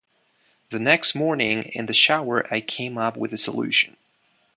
The next morning, in the shower, I came up with the solution.